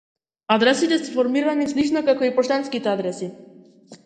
Адресите се формирани слично како и поштенските адреси.